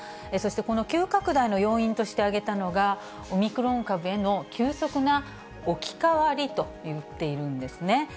そしてこの急拡大の要因として挙げたのが、オミクロン株への急速な置き換わりと言っているんですね。